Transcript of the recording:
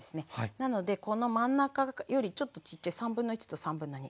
なのでこの真ん中よりちょっとちっちゃい1/3と2/3ぐらいに分けちゃいます。